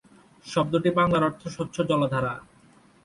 শব্দটির বাংলা অর্থ স্বচ্ছ জলধারা।